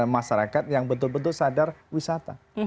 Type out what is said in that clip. masyarakat yang betul betul sadar wisata